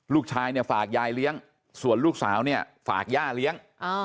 ลูกชายฝากยายเลี้ยงส่วนลูกสาวฝากย่าเลี้ยง